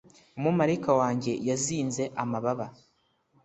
umumarayika wanjye yazinze amababa